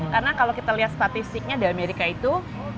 karena kalau kita lihat statistiknya di amerika itu